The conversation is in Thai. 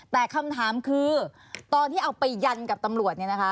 แต่คำถามคือตอนที่เอาไปยันกับตำรวจเนี่ยนะคะ